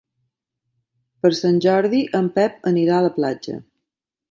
Per Sant Jordi en Pep anirà a la platja.